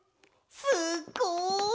すっごい！